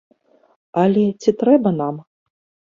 Але ці трэба нам?